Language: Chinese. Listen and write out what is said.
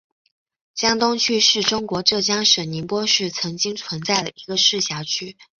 江东区是中国浙江省宁波市曾经存在的一个市辖区。